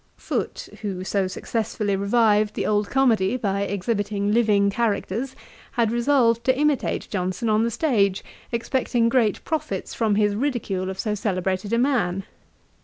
Foote, who so successfully revived the old comedy, by exhibiting living characters, had resolved to imitate Johnson on the stage, expecting great profits from his ridicule of so celebrated a man.